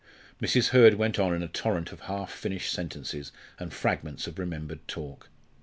Mrs. Hurd went on in a torrent of half finished sentences and fragments of remembered talk.